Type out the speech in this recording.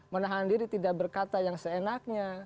menahan diri tidak berkata yang seenaknya